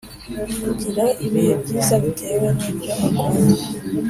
kugira ibihe byiza bitewe n’ibyo akunda